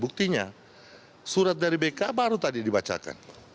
buktinya surat dari bk baru tadi dibacakan